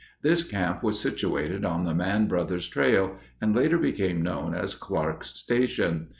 This camp was situated on the Mann Brothers' Trail and later became known as Clark's Station.